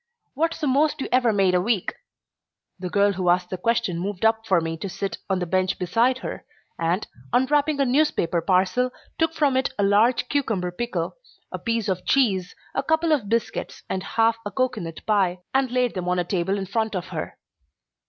"What's the most you ever made a week?" The girl who asked the question moved up for me to sit on the bench beside her, and, unwrapping a newspaper parcel, took from it a large cucumber pickle, a piece of cheese, a couple of biscuits, and half of a cocoanut pie, and laid them on a table in front of her.